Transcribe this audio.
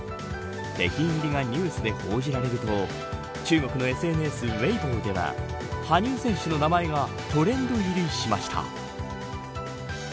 北京入りがニュースで報じられると中国のＳＮＳウェイボーでは羽生選手の名前がトレンド入りしました。